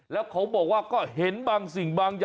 แล้วเขาบอกว่าก็เห็นบางสิ่งบางอย่าง